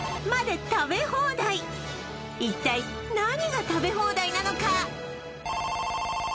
一体何が食べ放題なのか？